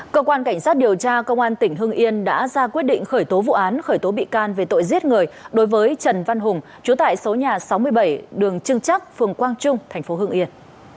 cơ quan cảnh sát điều tra công an tỉnh hưng yên đã ra quyết định khởi tố vụ án khởi tố bị can về tội giết người đối với trần văn hùng chú tại số nhà sáu mươi bảy đường trưng chắc phường quang trung tp hưng yên